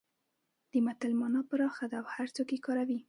د متل مانا پراخه ده او هرڅوک یې کاروي